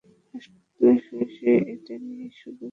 হাসপাতালে শুয়ে-শুয়ে এইটা নিয়েই শুধু ভাবতাম।